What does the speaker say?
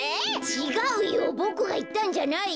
ちがうよボクがいったんじゃないよ。